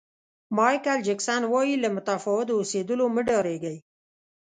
مایکل جکسن وایي له متفاوت اوسېدلو مه ډارېږئ.